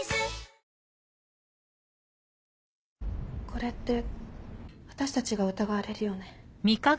これって私たちが疑われるよね。